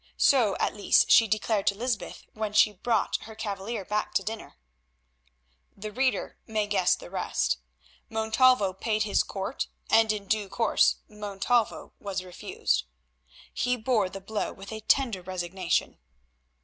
So at least she declared to Lysbeth when she brought her cavalier back to dinner. The reader may guess the rest. Montalvo paid his court, and in due course Montalvo was refused. He bore the blow with a tender resignation.